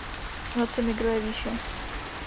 V noci migruje výše.